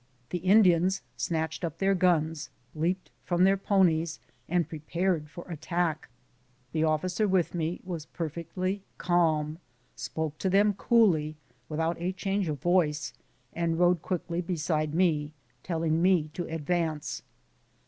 The Indians snatched up their guns, leaped upon their ponies, and prepared for attack. The officer with me was perfectly calm, spoke to them coolly without a change of voice, and rode quickly beside me, telling me to advance.